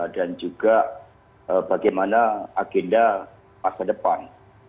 dan juga bagaimana agenda masa depan